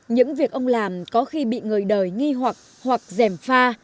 những việc ông làm có khi bị người đời nghi hoặc hoặc dẻm pha